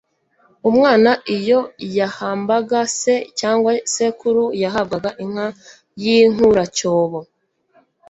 Umwana iyo yahambaga se cyangwa sekuru yahabwaga inka y'inkuracyobo